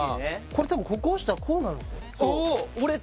これ多分ここ押したらこうなるんすよおおっ！